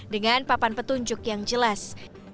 dengan papan petunjuk yang jelas